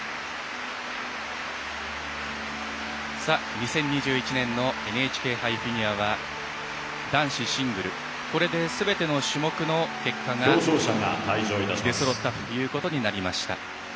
２０２１年のＮＨＫ杯フィギュアは男子シングルこれで、すべての種目の結果が出そろったということになりました。